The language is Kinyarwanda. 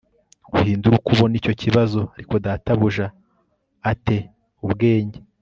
uhindure uko ubona icyo kibazo ariko databuja a te ubwenge